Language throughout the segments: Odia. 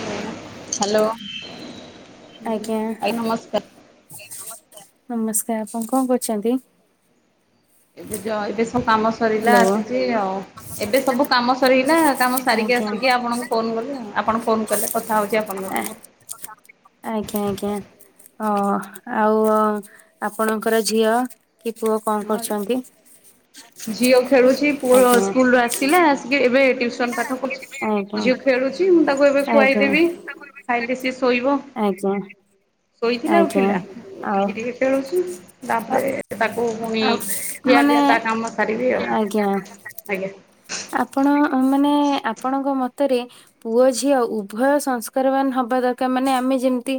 ହ୍ୟାଲୋ। ହ। ଲୋ ଆଜ୍ଞା ଆଇ ନମସ୍କାର। ନମସ୍କାର ଆପଣ କଣ କରୁଚନ୍ତି? ଏବେ ଯ କାମ ସରିଲା ହ୍ୟାଲୋ ଆସିଚି ଆଉ ଏବେ ସବୁ କାମ ସରିଗଲା କାମ ସାରିକି ଆଜ୍ଞା ଆସିକି ଆପଣଙ୍କୁ ଫୋନ ଆପଣ ଫୋନ କଲେ କଥା ହଉଚି ଆପଣଙ୍କ ଆ ସାଙ୍ଗେ। ଆଜ୍ଞା ଆଜ୍ଞା। ଓ ଆଉ ଆପଣଙ୍କର ଝିଅ? ପୁଅ କଣ ହଁ କରୁଚନ୍ତି? ଝିଅ ଖେଳୁଚି ପୁଅ ସ୍କୁଲୁ ଆସିଲା ଆସି କି ଏବେ ଟିୟୁସନ ପାଠ କରୁ ଆଜ୍ଞା ଝିଅ ଖେଳୁଚି ମୁଁ ତାକୁ ଏବେ ଆଜ୍ଞା ଖୁଆଇଦେବି ଖାଇଲେ ସିଏ ଶୋଇବ। ଆଜ୍ଞା ଶୋଇଥିଲା ଆଜ୍ଞା। ଉଠିଲା ଆଉ ଉଠିକି ଟିକେ ଖେଳୁଚି ତାପରେ ତାକୁ ପୁଣି ଆଉ ମାନେ ଖିଆପିଆ ତା କାମ ସାରିବି ଆଉ। ଆଜ୍ଞା। ଆଜ୍ଞା। ଆପଣ ଅ ମାନେ ଆପଣଙ୍କ ମତରେ ପୁଅ ଝିଅ ଉଭୟ ସଂସ୍କାରବାନ ହବ ବା ଦରକାର ମାନେ ଆମେ ଯେମତି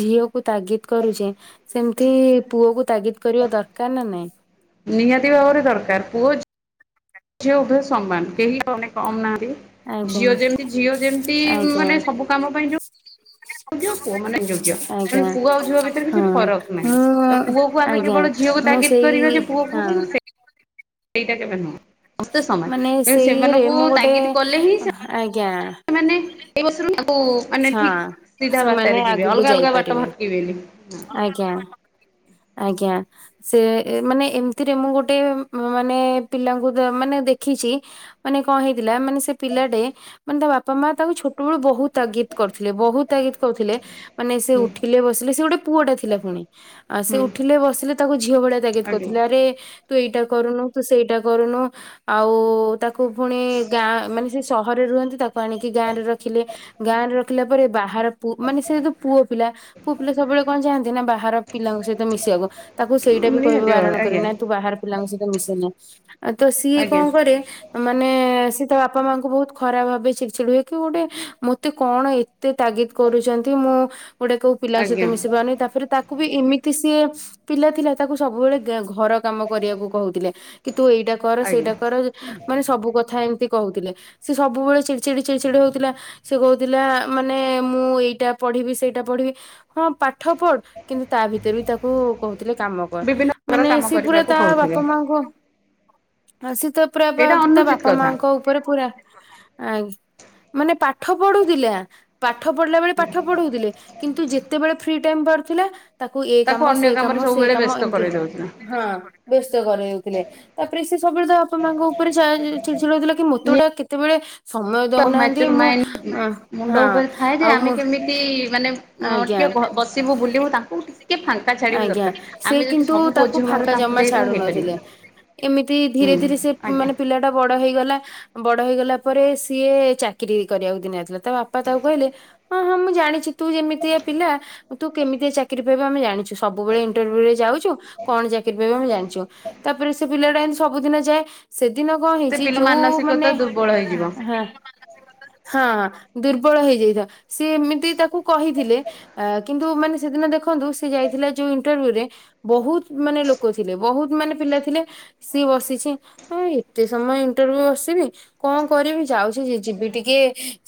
ଝିଅକୁ ତାଗିଦ କରୁଚେ ସେମତି ପୁଅକୁ ତାଗିଦ କରିବା ଦରକାର ନା ନାଇଁ? ନିହାତି ଭାବରେ ଦରକାର ପୁଅ ଝିଅ ଉଭୟ ସମାନ କେହି ମାନେ କମ ନାହାନ୍ତିି ଆଜ୍ଞା ଝିଅ ଯେମତି ଝିଅ ଯେମତି ଆଜ୍ଞା ମାନେ ସବୁ କାମ ପାଇଁ ଯୋ ତେଣୁ ଆଜ୍ଞା ପୁଅ ଆଉ ଝିଅ ଭିତରେ କିଛି ହଁ ଫରକ ନାହିଁ। ତ ମୁଁ ପୁଅକୁ ଆମେ ଆଜ୍ଞା କେବଳ ଝିଅକୁ ମୁ ମୁଁ ତାଗିଦ କରିବା ଯେ ସେଇ ପୁଅ ପୁଅ ହଁ ବୋଲି ସେଇଟା କେବେ ନୁହଁ। ସମସ୍ତେ ସମାନ ମାନେ ତେଣୁ ସେଇ ଇଏରେ ସେମାନଙ୍କୁ ମୁଁ ଗୋଟେ ତାଗିଦ କଲେ ଆଜ୍ଞା [unintelligible] କୁ ମାନେ ହଁ ଠିକ ସିଧା ସେମାନେ ବାଟରେ ଯିବେ ଆଗକୁ ଅଲଗା ଅଲଗା ବାଟ ଯାଇପାରିବେ ଭଟକିବେନି ହଁ। [inaudible] ଆଜ୍ଞା ସେ ଏ ମାନେ ଏମିତିରେ ମୁଁ ଗୋଟେ ମାନେ ପିଲାଙ୍କୁ ଦ ମାନେ ଦେଖ ଦେଖିଚି ମାନେ କଣ ହେଇଥିଲା ମାନେ ସେ ପିଲାଟେ ମାନେ ତା ବାପା ମା ତାକୁ ଛୋଟବେଳୁ ବହୁତ ତାଗିଦ କରୁଥିଲେ ବହୁତ ତାଗିଦ କରୁଥିଲେ ମାନେ ସେ ହୁଁ ଉଠିଲେ ବସିଲେ ସେ ଗୋଟେ ପୁଅଟେ ଥିଲା ଫୁଣି ଆଉ ସେ ହୁଁ ଉଠିଲେ ବସିଲେ ତାକୁ ଝିଅ ଭଳିଆ ତାଗିଦ ଆଜ୍ଞା କରିଥିଲେ ଆରେ ତୁ ଏଇଟା କରୁନୁ ତୁ ସେଇଟା କରୁନୁ ଆଉ ତାକୁ ଫୁଣି ଗାଁ ମାନେ ସେ ସହରରେ ରୁହନ୍ତି ତାକୁ ଆଣିକି ଗାଁ ରେ ରଖିଲେ ଗାଁ ରେ ରଖିଲା ପରେ ବାହାର ପୁ ମାନେ ସେ ଯୋଉ ପୁଅ ପିଲା ପୁଅ ପିଲା ସବୁବେଳେ କଣ ଯାଆନ୍ତି ନା ବାହାର ପିଲାଙ୍କ ସହିତ ମିଶିବାକୁ ତାକୁ ସେଇଟା ବି କହିବା ନିହାତି ଭାବରେ ବାରଣ କରେ ଆଜ୍ଞା। ନାଇଁ ତୁ ବାହାର ପିଲାଙ୍କ ସହିତ ମିଶେନା ଆଉ ତ ସିଏ ଆଜ୍ଞା କଣ କରେ ମାନେ ସେ ତା ବାପା ମାଙ୍କୁ ବହୁତ ଖରାପ ଭାବେ ଚିଡ ଚିଡ୍ ହୁଏ କି ଗୋଟେ ମତେ କଣ ଏତେ ତାଗିଦ କରୁଛନ୍ତି ମୁଁ ଗୋଟେ କୋଉ ପିଲାଙ୍କ ସହିତ ଆଜ୍ଞା ମିଶିପାରୁ ନାହିଁ ତାପରେ ତାକୁ ବି ଇମି କିନ୍ତୁ ସିଏ ପିଲା ଥିଲା ତାକୁ ସବୁବେଳେ ଗେ ଘର କାମ କରିବାକୁ କହୁଥିଲେ କି ତୁ ଏଇଟା କର ଆଜ୍ଞା ସେଇଟା କର ମାନେ ସବୁ କ କଥା ଏମିତି କହୁଥିଲେ ସେ ସବୁବେଳେ ଚିଡଚିଡ ଚିଡଚିଡ ହଉଥିଲା ସେ କହୁଥିଲା ମାନେ ମୁଁ ଏଇଟା ପଢିବି ସେଇଟା ପଢିବି ହଁ ପାଠ ପଢ କିନ୍ତୁ ତା ତା ଭିତରେ ବି ତାକୁ କହୁଥିଲେ କାମ କର ବିଭିନ୍ନ ପ୍ରକାର ମାନେ କାମ ସିଏ ପୁରା କରିବାକୁ ତା କହୁଥିବେ। ବାପା ମାଙ୍କୁ ଆଉ ସେ ତ ପୁରା ବା ଏଇଟା ତା ଅନୁଚିତ ବାପା କଥା ମାଙ୍କ ଉପରେ ପୁରା ଆ ମାନେ ପାଠ ପଢୁଥିଲା ପାଠ ପଢିଲା ବେଳେ ପାଠ ପଢଉଥିଲେ କିନ୍ତୁ ଯେତେବେଳେ ଫ୍ରି [unintelligible] ଥିଲା ତାକୁ ଏ କାମ ଅନ୍ୟ ସେ କାମରେ କାମ ସେ ସବୁବେଳେ କାମ ବ୍ୟସ୍ତ ଏମିତି କରେଇ ଦଉଥିଲା। ହଁ ବ୍ୟସ୍ତ କରେଇ ଦଉଥିଲେ ତାପରେ ସେ ସବୁବେଳେ ତା ବାପ୍ ବାପା ମାଆଙ୍କ ଉପରେ ଯାହା [unintelligible] ଚିଡ଼ଚିଡ ହଉଥିଲା କି ମୋତେ ଗୋଟା କେତେବେଳେ ସମୟ ଦଉନାହାନ୍ତି ମ୍ୟାଚୁର ମୁଁ ମାଇଣ୍ଡ ଅଁ, ମୁଣ୍ଡ ହଁ ଉପରେ ଥାଏ ଯେ ଆଉ ଆମେ ମୁଁ କେମିତି ମାନେ ଅ ଆଜ୍ଞା ଟିକେ ବସିବୁ ବୁଲିବୁ ତାଙ୍କୁ [unintelligible] ଟିକେ ଫାଙ୍କା ଛାଡିବା ବି ଆଜ୍ଞା ଦରକାର ସେ ଆମେ ଯଦି କିନ୍ତୁ ସବୁ ତାକୁ ବୋଝ ଭାର ଫାଙ୍କା ତାଙ୍କୁ ଜମା ଦେଇଦେବା ଛାଡୁ ନଥିଲେ ହେଇପାରିବନି। ଏମିତି ଧୀରେ ହୁଁ ଧୀରେ ସେ ଆଜ୍ଞା ମାନେ ପିଲାଟା ବଡ ହେଇଗଲା ବଡ ହେଇଗଲା ତା ପରେ ସିଏ ଚାକିରି କରିବାକୁ ଦିନେ ଆଇଥିଲା ତା ବାପା ତାକୁ କହିଲେ ହଁ ହଁ ମୁଁ ଜାଣିଛି ତୁ ଯେମିତିଆ ପିଲା ତୁ କେମିତିଆ ଚାକିରି ପାଇବୁ ଆମେ ଜାଣିଛୁ। ସବୁବେଳେ ଇଣ୍ଟରଭ୍ୟୁରେ ଯାଉଛୁ କଣ ଚାକିରି ପାଇବୁ ଆମେ ଜାଣିଛୁ ତାପରେ ସେ ପିଲାଟା ଏମିତି ସବୁଦିନ ଯାଏ ସେ ଦିନ କଣ ସେ ହେଇଛି ପିଲା ଯୋଉ ମାନସିକତା ମାନେ ଦୁର୍ବଳ ହେଇଯିବ। ହଁ ହଁ ଦୁର୍ବଳ ହେଇଯାଇଥିବ ସେ ଏମିତି ତାକୁ କହିଥିଲେ ଅ କିନ୍ତୁ ମାନେ ସେଦିନ ଦେଖ ଖନ୍ତୁ ସେ ଯାଇ ଥିଲା ଯୋଉ ଇଣ୍ଟରଭ୍ୟୁରେ ବହୁତ ମାନେ ଲୋକ ଥିଲେ ବହୁତ ମାନେ ପିଲା ଥିଲେ ସିଏ ବସିଛି ହଁ ଏତେ ସମୟ ଇଣ୍ଟରଭି୍ୟୁ ବସିବି କଣ କରିବି ଯାଉଛି ଯିବି ଟିକେ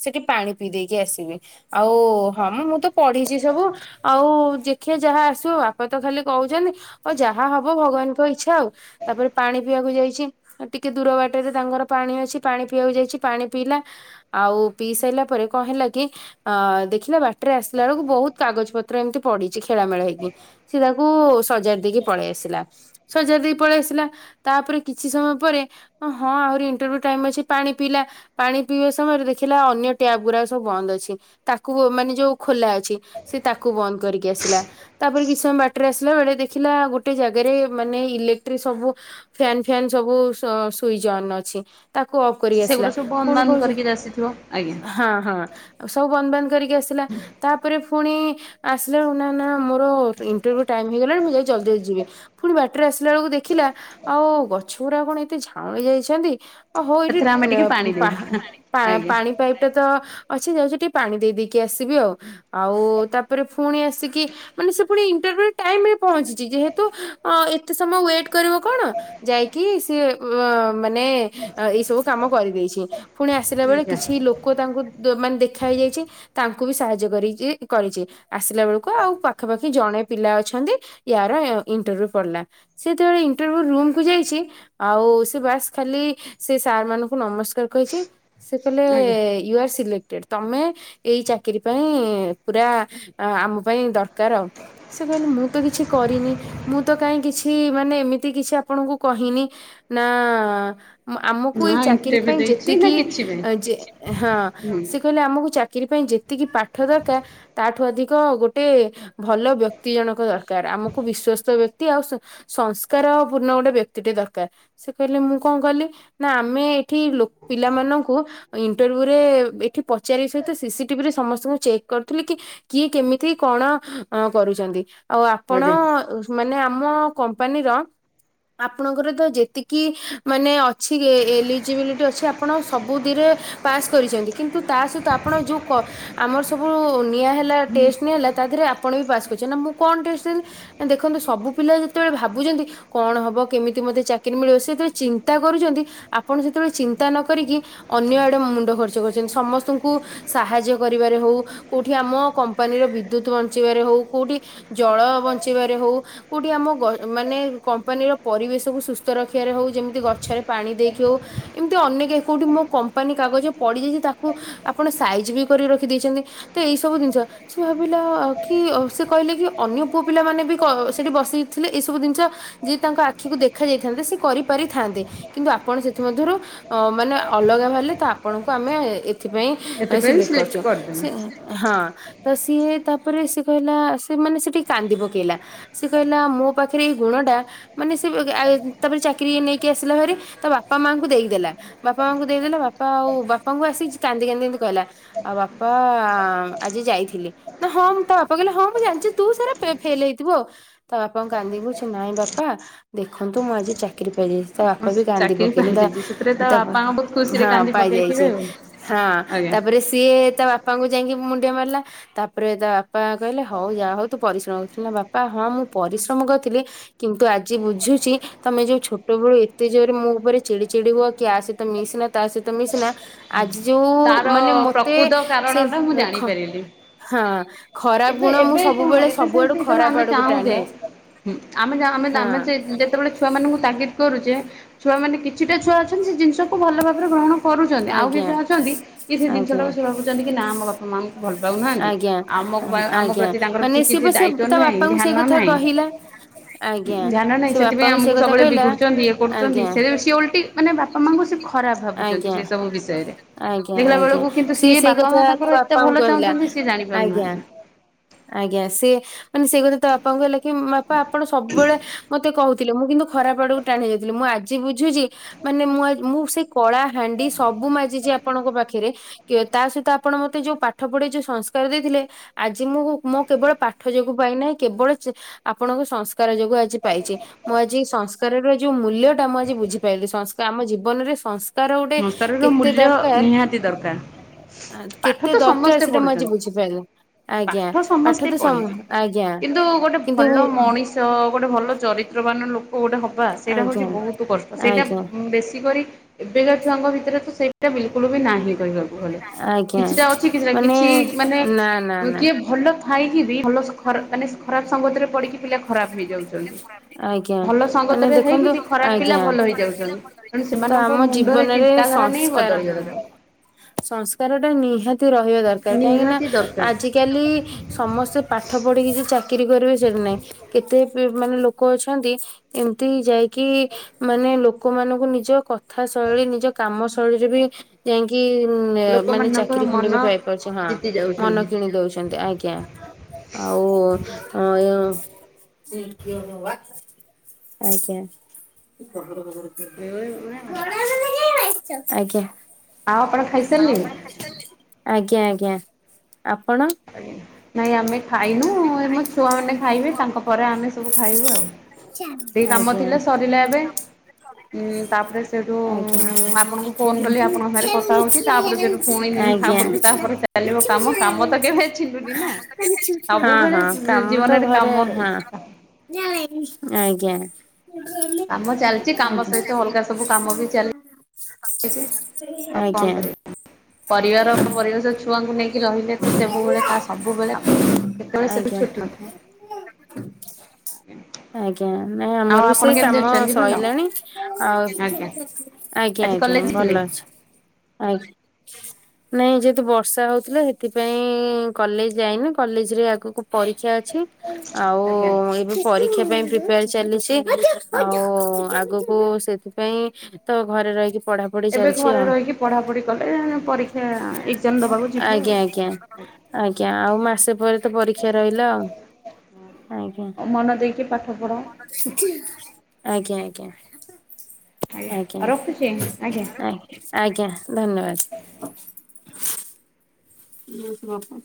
ସେଠି ପା ଣି ପିଇ ଦେଇକି ଆସିବି ଆଉ ହଁ ମୁଁ ତ ପଢିଛି ସବୁ ଆଉ ଦେଖିଆ ଯାହା ଆସ ବ ବାପା ତ ଖାଲି କହୁଛନ୍ତି ହଉ ଯାହା ହବ ଭଗବାନଙ୍କ ଇଚ୍ଛା ଆଉ ତାପରେ ପାଣି ପିଇବାକୁ ଯାଇଛି ଟିକେ ଦୂର ବାଟରେ ତାଙ୍କର ପାଣି ଅଛି ପାଣି ପିଇବାକୁ ଯାଇଛି ପାଣି ପିଇଲା ଆଉ ପିଇ ସାଇଲା ପରେ କହିଲା କି ଅ ଦେଖିଲା ବାଟରେ ଆସିଲା ବେଳକୁ ବହୁତ କାଗଜ ପତ୍ର ଏମିତି ପଡିଛି ଖେଳା ମେଳା ହେଇକି। ସେ ତାକୁ ସଜାଡି ଦେଇକି ପଳେଇ ଆସିଲା। ସଜାଡି ଦେଇକି ପଳେଇ ଆସିଲା ତାପରେ କିଛି ସମୟ ପରେ ହଁ ଆହୁରି ଇଣ୍ଟରଭ୍ୟୁ ଟାଇମ୍ ଅଛି ପାଣି ପିଇଲା ପାଣି ପିଇବା ସମୟରେ ଦେଖିଲା ଅନ୍ୟ ଟ୍ୟାପ ଗୁର ସବୁ ବନ୍ଦ ଅଛି ତାକୁ ମାନେ ଯୋଉ ଖୋଲା ଅଛି ସେ ତାକୁ ବନ୍ଦ କରିକି ଆସିଲା। ତାପରେ କିଛି ସମୟ ବାଟରେ ଆସିଲା ବେଳେ ଦେଖିଲା ଗୋଟେ ଜାଗାରେ ମାନେ ଇଲେକ୍ଟ୍ରି ସବୁ ଫ୍ୟାନ ଫ୍ୟାନ ସ ସବୁ ସ- ସୁଇଜ୍ ଅନ୍ ଅଛି। ତାକୁ ଅଫ୍ କରିକି ଆସିଲା ସେଗୁଡା ସବୁ ବନ୍ଦ ପୁଣି ବାନ୍ଦ କହୁଛି କରିକି ଆସିଥିବ ଆଜ୍ଞା ହଁ ହଁ। ସବୁ ବନ୍ଦ ବାନ୍ଦ କରିକି ଆସିଲା ତାପରେ ଫୁଣି ଆସିଲାଉନୁ ନା ନା। ମୋର ଇଣ୍ଟରବ୍ୟୁ ଟାଇମ୍ ହେଇଗଲାଣି ମୁଁ ଯାଇ ଜଲ୍ଦୀ ଜଲ୍ଦୀ ଯିବି ପୁଣି ବଟରେ ଆସିଲା ବଳକୁ ଦେଖିଲା ଆଉ ଗ ଛ ଗୁରା କଣ ଏତେ ଝାଉଁଳି ଯାଇଛନ୍ତି? ଓ ହଉ ଏଇଠି ସେଥିରେ ଆମେ ଟିକେ ପାଣି ଦେଇଦବା। ଆଜ୍ଞା ପାଣି ପାଇପ ଟା ତ ଅଛି ଯାଉଛି ଟିକେ ପାଣି ଦେଇ ଦେଇେଇକି ଆସିବି ଆଉ ଆଉ ତାପରେ ଫୁଣି ଆସିକି ମାନେ ସେ ପୁଣି ଇଣ୍ଟରବ୍ୟୁରେ ଟାଇମ୍ ରେ ପହଞ୍ଚିଛି ଯେହେତୁ ଏତେ ସମୟ ୱେଟ କରିବ କଣ ଯାଇକି କି ସିଏ ଅ-ମାନେ ଏଇ ସବୁ କାମ କରିଦେଇଛି। ପୁଣି ଆସିଲା ବେଳେ ଆଜ୍ଞା କିଛି ଲୋକ ତାଙ୍କୁ ଦ ମାନେ ଦେଖା ହେଇଯାଇଛି ତାଙ୍କୁ ବି ସାହାଯ୍ୟ କରିଛି କରିଛି ଆସିଲା ବେଳକୁ ଆଉ ପା ପାଖାପାଖି ଜଣେ ପିଲା ଅଛନ୍ତି ୟାର ଇଣ୍ଟରଭ୍ୟୁ ପଡିଲା ସେତେବେଳେ ଇଣ୍ଟରଭ୍ୟୁ ରୁମକୁୁ ଯାଇଛି ଆଉ ସେ ବାସ୍ ଖାଲି ସେ ସାର୍ ମାନଙ୍କୁ ନମସ୍କାର କହିଚି। ସେ କହଲେ ଆଜ୍ଞା ୟୁ ଆର୍ ସିଲେକ୍ଟ ତମେ ଏଇ ଚାକିର ପାଇଁ ପୁରା ଆମ ପାଇଁ ଦର କାର ଅ ସେ କହିଲେ ମୁଁ ତ କିଛି କରିନି ମୁଁ ତ କାଇହିଁ କିଛି ମାନେ ଏମିତି କିଛି ଆପଣଙ୍କୁ କ ହିନି ନା ଆମକୁ ନା ଏଇ ଚାକିରି ଇଣ୍ଟରଭ୍ୟୁ ପାଇଁ ଦେଇଛି ନା ଯେତିକି କିଛି ପାଇଁ ଯେ-ହଁ ହୁଁ। ସେ କହିଲେ ଆମକୁ ଚା ଚାକିରି ପାଇଁ ଯେତିକି ପାଠ ଦରକାର ତାଠୁ ଅଧିକ ଗୋଟେ ଭଲ ବ୍ୟକ୍ତି ଜଣକ ଦରକାର ଆମକୁ ବିଶ୍ଵସ୍ତ ବ୍ୟକ୍ତି ଆଉ ସଂସ୍କାର ପୂର୍ଣ୍ଣ ଗୋଟେ ବ୍ୟକ୍ତିଟେ ଦରକାର୍ ସେ କହିଲେ ମୁଁ କଣ କଲି ନା ଆମେ ଏଠି ଲ- ପିଲାମାନଙ୍କୁ ଇଣ୍ଟରବ୍ୟୁରେ ଏଠି ପଚାରିଆ ସହିତ ସିସିଟିଭି ରେ ସମସ୍ତଙ୍କୁ ଚେକ୍ କରୁଥିଲୁ କି କିଏ କେମିତି କଣ? ଅ କରୁଛନ୍ତି ଆଉ ଆପଣ ଆଜ୍ଞା। ମାନେ ଆମ କମ୍ପାନୀର ଆପଣଙ୍କର ତ ଯେତିକି ମାନେ ଅଛି ଏଲିଜିବିଲିଟି ଅଛି ଆପଣ ସବୁଥିରେ ପାସ୍ କରିଛନ୍ତି କିନ୍ତୁ ତା ସହିତ ଆପଣ ଯଉ କ- ଆମର ସବୁ ନିଆ ହେଲା ଟେଷ୍ଟ ନିଆ ହେଲା ତାଧିରେ ଆପ୍ ଆପଣ ବି ପାସ୍ କରିଛନ୍ତି ମୁଁ କଣ ଟେଷ୍ଟ ଦେଲି ନା ଦେଖନ୍ତୁ ସବୁ ପିଲା ଯେତେଏଳେ ଭାବୁଛନ୍ତି କଣ ହବ କେମିତି ମତେ ଚାକିରି ମିଳିବ ସେ ଯେତେ ବେଳେ ଚିନ୍ତା କରୁଛନ୍ତି ଆପଣ ସେତେବେଳେ ଚିନ୍ତା ନ କରିକି ଅନ୍ୟ ଆଡେ ମୁଣ୍ଡ ଖର୍ଚ୍ଚ କରିଛନ୍ତି ସମସ୍ତଙ୍କୁ ସାହାଯ୍ୟ କରିବାରେ ହଉ କୋଉଠି ଆମ କମ୍ପାନୀର ବିଦ୍ୟୁତ୍ ବ ଚେଇଁବାରେ ହଉ କୋଉଠି ଜଳ ବଞ୍ଚେଇଁବାରେ ହଉ କୋଉଠି ଆମ ଗ- କମ୍ପାନୀର ପରିବେ ଶ ସବୁ ସୁସ୍ଥ ରଖିବାରେ ହଉ ଯେମିତି ଗଛରେ ପାଣି ଦେଇକି ହଉ ଏମିତି ଅନେକ କୋଉଠି ମୋ କମ୍ପାନୀ କାଗଜ ପଡିଯାଇଛି ତାକୁ ଆପଣ ସାଇଜ ବି କରି ରଖି ଦେଇଛନ୍ତି ତ ଏଇ ସବୁ ଜିନିଷ ସେ ଭାବିଲା ଆଉ କି ଅ ସେ କହିଲେ କି ଅନ୍ୟ ପୁଅ ପିଲା ମାନେ ବି କ ସେଠି ବସିକି ଥିଲେ ଏଇ ସବୁ ଜିନିଷ ଯେ ତାଙ୍କ ଆଖିକୁ ଦେ ଦେଖା ଯାଇଥାନ୍ତେ ସେ କରିପାରିଥାନ୍ତେ କିନ୍ତୁ ଆପଣ ସେଥିମଧ୍ୟ ରୁ ଅ- ମାନେ ଅଲଗା ବାହାରିଲେ ତ ଆପଣଙ୍କୁ କୁ ଆମେ ସେଥି ପାଇଁ ଏଥିପାଇଁ ସିଲେକ୍ଟ କରିଚୁ କରିଦେଲି ତ ସିଏ ତାରେ ସେ କହିଲା ସେ ମାନେ ସେଠି କାନ୍ଦି ପକେଇଲା ସେ କହିଲା ମୋ ପାଖରେ ଏଇ ଗୁଣ ଟା ମାନେ ସେ ଆ [unintelligible] ତାପରେ ଚାକିରି ନେଇକି ଆସିଲା ଭାରି ତା ବାପା ମାଙ୍କୁ ଦେଇଦେଲା ବାପା ମାଙ୍କୁ ଦେଇଦଲା ବାପା ହଉ ବାପାଙ୍କୁ ଆସି କାନ୍ଦି କାନ୍ଦି ଏମତି କହିଲା ଆଉ ବାପା ଆ- ଆଜି ଯାଇଥିଲି। ହଁ ମୁଁ ତା ବାପା କହିଲେ ହଁ ମୁଁ ଜାଣିଛି ତୁ ସାରା ଫେ-ଫେଲ ହେଇଥିବୁ ଆଉ ବାପାଙ୍କୁ କାନ୍ଦିିକି କହୁଛି ନାଇ ବାପା ଦେଖନ୍ତୁ ମୁଁ ଆଜି ଚାକିରି ପାଇଯାଇ ତା ବାପା ମୁଁ ବି କାନ୍ଦି ଚାକିରି ପକେଇଲେ ତା ପାଇଯାଇଛି ସେଥିରେ ତା ବାପାଙ୍କ ବହୁତ ଖୁସିରେ ହଁ କାନ୍ଦି ପକେଇଥିବେ ପାଇଯାଇଛି ଆଉ। ହାଁ। ଆଜ୍ଞା ତାପରେ ସିଏ ତା ବାପାଙ୍କୁ ଯାଇକି ମୁଣ୍ଡିଆ ମାରିଲା ତାପ ତାପରେ ତା ବାପା କହିଲେ ହଉ ଯାହା ହଉ ତୁ ପରିଶ୍ରମ କରୁଥିଲୁ ନା ବାପା ହଁ ମୁଁ ପରିଶ୍ରମ କରିଥିଲି କିନ୍ତୁ ଆ ଆଜି ବୁଝୁଛି ତମେ ଯୋଉ ଛୋଟ ବେଳୁ ଏତେ ଜୋରେ ମୋ ଉପରେ ଚିଡି ଚିଡି ହୁଅ କି ଆ ସହିତ ମିଶନା ତା ସ ତମେ ସିନା ଆଜି ଯୋଉ ତାର ମାନେ ମୋତେ ପ୍ରକୃତ କାରଣ ସେ ଟା ମୁଁ ରଖ। ଜାଣିପାରିଲି। ହଁ ଖରାପ କିନ୍ତୁ ଗୁଣ ମୁଁ ଏବେ କଣ ସବୁବେଳେ ସବୁଆଡୁ ଖରାପ ଆଡକୁ ଟାଣି ହେଉଛି। ହୁଁ ଆମେ [unintelligible] ଯେତେବେଳେ ଛୁଆ ମାନଙ୍କୁ ତାଗିଦ୍ କରୁଚେ ଛୁଆ ମାନେ କିଛିଟା ଛୁଆ ଅଛନ୍ତି ସେ ଜିନିଷକୁ ଭଲ ଭାବରେ ଗ୍ରହଣ କରୁଛନ୍ତି ଆଉ ଆଜ୍ଞା କିଛି ସେ ଜିନିଷ ଆଜ୍ଞା ସେ ଭାବୁଛନ୍ତି ନା ଆମ ବାପା ମା ଆମକୁ ଭଲ ପାଉ ନାହାନ୍ତି ଆଜ୍ଞା ଆମକୁ ଆମ ଆଜ୍ଞା ପ୍ରତି ତାଙ୍କର ତାଙ୍କର ମାନେ ସିଏ କିଛି ବା ସେ ଦାୟିତ୍ଵ ତା ନାହିଁ ବାପାଙ୍କୁ ସେଇ ଧ୍ୟାନ କଥା ନାହିଁ। କହିଲା ଆଜ୍ଞା ଧ୍ଯ। ନ ନାହିଁ ସେ ସେଥିପାଇଁ ବାପାଙ୍କୁ ସେ ଆମକୁ କଥା ସବୁବେଳେ କହିଲା ବିଗୁଡୁଛନ୍ତି ଇଏ କରୁଛନ୍ତି ଆଜ୍ଞା ସେ ସିଏ ଓଲଟି ମାନେ ବାପା ମାଙ୍କୁ ସେ ଖରାପ ଭାବୁଛନ୍ତି ଆଜ୍ଞା ସେ ସବୁ ବିଷୟରେ। ଆଜ୍ଞା ଦେଖିଲା ଆଜ୍ଞା ବେଳକୁ କିନ୍ତୁ ସିଏ ସେଇ ବାପା ମା କଥା ତା ତାଙ୍କର ଏତେ ବାପାଙ୍କୁ ଭଲ କହିଲା ଚାହୁଁଛନ୍ତି ସିଏ ଜାଣି ଆଜ୍ଞା ପାରୁନାହାନ୍ତି। ଆଜ୍ଞା ସିଏ ମାନେ ସେ କଥା ତା ବାପାଙ୍କୁ ହେଲା କି ବାପା ଆପଣ ସବୁବେଳେ ମତେ କହୁ ମୁଁ କିନ୍ତୁ ଖରାପ ଆଡ଼କୁ ଟାଣି ଯାଇଥିଲି ମୁଁ ଆଜି ବୁଝୁଛି ମାନେ ମୁଁ ମୁଁ ସେ କଳା ହାଣ୍ଡି ସବୁ ମାଜିଛି ଆପଣଙ୍କ ପାଖରେ। ତା ସହିତ ଆପଣ ମତେ ଯୋଉ ପାଠ ପଢେଇ ଯୋଉ ସଂସ୍କାର ଦେଇଥିଲେ ଆ ଆଜି ମୁଁ ମୁଁ କେବଳ ପାଠ ଯୋଗୁ ପାଇନାହିଁ କେବଳ ଆପଣଙ୍କ ସଂସ୍କାର ଯୋଗୁଁ ଆଜି ପାଇଚି। ଆଜି ସଂସ୍କାରର ଯେଉଁ ମୂଲ୍ୟ ଟା ମୁଁ ଆଜି ବୁଝିପାରିଲି ଆମ ଜୀବନରେ ତାର ଗୋଟେ ସଂସ୍କାରର କେତେ ମୂଲ୍ୟ ଦରକାର? ନିହାତି ଦରକାର ପାଠ କେତେ ତ ଦରକାର ସମସ୍ତେ ସେଇଟା ମୁଁ ଆଜି ପଢୁଛନ୍ତି ବୁଝିପାରିଲି। ଆଜ୍ଞା ପାଠ ସମସ୍ତେ ତ ସମ ପଢିଲେ ଆଜ୍ଞା କିନ୍ତୁ ଗୋଟେ କିନ୍ତୁ ଭଲ ମଣିଷ ଗୋଟେ ଭଲ ଚ଼ରିତ୍ର ବାନ ଲୋକ ଗୋଟେ ହବା ସେଇଟା ଆଜ୍ଞା ହେଉଛି ବହୁତ କଷ୍ଟ ସେଇଟା ଆଜ୍ଞା। ବେଶୀ କରି ପିଲା ଛୁଆଙ୍କ ଭିତରେ ତ ସେଇଟା ବିଲ୍‌କୁଲ ବି ନାହିଁ କହିବାକୁ ଗଲେ। ଆଜ୍ଞା କିଛି ଟା ଅଛି କିଛିଟା ମାନେ କିଛି ମାନେ ନା ନା ନା। କିଏ ଭଲ ଥାଇକି ବି ଭଲ ମାନେ ଖରାପ ସଙ୍ଗ କତିରେ ପଡିକି ହେଲେ ଖରାପ ହେଇଯାଉଛନ୍ତି। ଆଜ୍ଞା ଭଲ ମାନେ ସଙ୍ଗତରେ ହେଇକି ଦେଖନ୍ତୁ ବି ଖରାପ ପିଲା ଆଜ୍ଞା ଭଲ ସବୁ ଖରାପ ଥିଲେ ହେଇଯାଉଛନ୍ତି। ଭଲ ତେଣୁ ହେଇଯାଉ। ସେମାନଙ୍କ ଆମ ମୁଣ୍ଡରେ ଜୀବନରେ ଚିନ୍ତାଧାରା ନେଇ ସଂସ୍କାର ବଦଳିବା ହୁଁ ଦରକାର ସଂସ୍କାର ଟା ନିହାତି ରହିବା ରହିବା ଦରକାର କାହିଁକି ନା ନିହାତି ଦରକାର। ଆଜିକାଲି ସମସ୍ତେ ପାଠ ପଢ଼ି ଚାକିରି ପରିବେଶ ସେଇଠି ନାଇଁ। କେତେ ମାନେ ଲୋକ ଅଛନ୍ତି ଏମିତି ଯାଇକି ମାନେ ଲୋକମାନଙ୍କୁ ନିଜ କଥା କଥା ଶୈଳୀ ନିଜ କାମ ଶୈଳୀରେ ବି ଯାଇକି କି ମାନେ ଲୋକମାନଙ୍କର ଚାକିରୀ ଖଣ୍ଡେ ମନ ବି ପାଇପାରୁଛି ହଁ ଜିତି ମନ ଯାଉଛନ୍ତି କିଣି ଦଉଛନ୍ତି ଆଜ୍ଞା। ଆଉ ଆଜ୍ଞା। ଏଭଳି ମାନେ ଆଜ୍ଞା। ଆଉ ଆପଣ ଖାଇସାରିଲେଣି? ଆଜ୍ଞା ଆଜ୍ଞା। ଆପଣ ଆଜ୍ଞା ନାଇଁ ଆମେ ଖାଇନୁ ଏ ମୋ ଛୁଆ ମାନେ ଖାଇବେ ତାଙ୍କ ପରେ ଆମେ ସବୁ ଖାଇବୁ ଆଉ ଟିକେ କାମ ଆଜ୍ଞା ଥିଲା ସରିଲା ଏବେ। ଉଁ ତାପରେ ସେଇଠୁ ଆପଣଙ୍କୁ ଫୋନ୍‌ କଲି ଆପଣଙ୍କ ସାଙ୍ଗରେ କଥା ହଉଛି ତାପରେ ସେଠୁ ପୁଣି ଆଜ୍ଞା ତାପରକୁ ତାପର ଚାଲିବ କାମ କାମ ତ ଆଜ୍ଞା କେବେ ଛିଣ୍ଡୁନି ନା ହଁ ସବୁବେଳେ ହଁ ଜୀବନରେ କାମ ରହିଛି। ଜାଣିନି ଆଜ୍ଞା। କାମ ଚାଲିଛି କାମ ଆଜ୍ଞା ସହିତ ଅଲଗା ସବୁ କାମ ବି ଚାଲି ଛି ଆଉ କଣ ଆଜ୍ଞା କରିବା? ପରିବାର ପରିବେଶ ଛୁଆଙ୍କୁ ନେଇକି ରହିଲେ ତ ସବୁବେଳେ କା ସବୁବେଳେ କେତେବେଳେ ସେଠି ଆଜ୍ଞା। ଛୁଟି ନ ଥାଏ। ଆଜ୍ଞା। ନାଇଁ ଆଉ ଆମର ବି ଆପଣ ସେଇ କେମିତି କାମ ଅଛନ୍ତି ଭଲ? ସରିଲାଣି ଆଉ ଆଜ୍ଞା ଆଜ୍ଞା ଆଜି ଆଜ୍ଞା କଲେଜ ଯାଇଥିଲେ? ଭଲ। ଆଜ୍ଞା। ନାଇଁ ଯେହେତୁ ବର୍ଷା ହଉଥିଲା ସେଥିପାଇଁ କଲେଜ ଯାଇନି କଲେଜ୍‌ ରେ ଆଗକୁ ପରୀକ୍ଷା ପରୀକ୍ଷା ଅଛି ଆଉ ଆଜ୍ଞା। ଏବେ ପରୀକ୍ଷା ପାଇଁ ପ୍ରିପେର୍ ଚାଲି ଛି ଆଉ ଆଗକୁ ସେଥିପାଇଁ ତ ଘରେ ରହିିକି ଏବେ ପଢାପଢ଼ିଚାଲିଛି ଘରେ ଆଉ। ରହିକି ପଢ଼ାପଢ଼ି କଲେ ପରୀକ୍ଷା ଏକ୍ଜାମ ଦେବାକୁ ଯିବୁ ଆଉ। ଆଜ୍ଞା ଆଜ୍ଞା। ଆଜ୍ଞା ଆଉ ମାସେ ପରେ ତ ପରୀକ୍ଷା ରହିଲା ଆଉ। ଆଜ୍ଞା ମନ ଦେଇକି ଟିକେ ପାଠ ପଢ଼ ଆଜ୍ଞା ଆଜ୍ଞା। ଆଜ୍ଞା ଆଜ୍ଞା ଆଜ୍ଞା ଧନ୍ୟବାଦ। ଓହୋ।